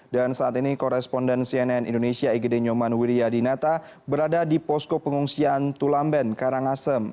dan saat ini korespondan cnn indonesia igd nyoman wiryadinata berada di posko pengungsian tulamben karangasem